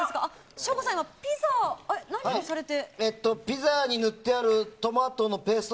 省吾さん、ピザ、何をされて？